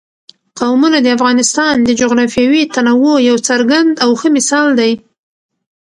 قومونه د افغانستان د جغرافیوي تنوع یو څرګند او ښه مثال دی.